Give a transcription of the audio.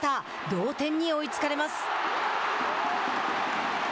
同点に追いつかれます。